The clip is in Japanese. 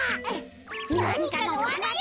なにかのわなよ。